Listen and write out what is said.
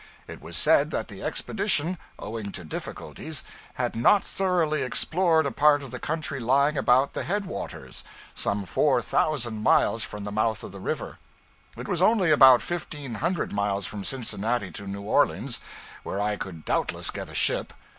It was said that the expedition, owing to difficulties, had not thoroughly explored a part of the country lying about the head waters, some four thousand miles from the mouth of the river. It was only about fifteen hundred miles from Cincinnati to New Orleans, where I could doubtless get a ship.